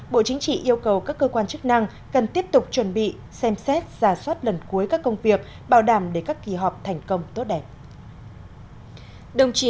bộ chính trị yêu cầu các cơ quan chức năng cần tiếp tục chuẩn bị xem xét giả soát lần cuối các công việc bảo đảm để các kỳ họp thành công tốt đẹp